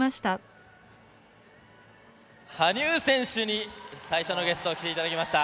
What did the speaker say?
羽生選手に最初のゲスト来ていただきました。